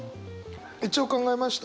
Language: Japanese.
一応考えました。